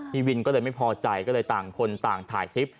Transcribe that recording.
พี่วินก็เลยไม่พอใจก็เลยต่างคนต่างถ่ายคลิป